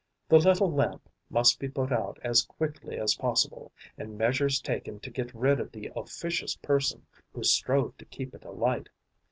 The little lamp must be put out as quickly as possible and measures taken to get rid of the officious person who strove to keep it alight.